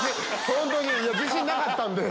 本当に自信なかったんで。